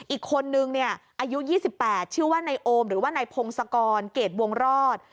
อีกคนนึงเนี่ยอายุ๒๘ชื่อว่านายโอมหรือว่านายพงศกรเกรดวงรอด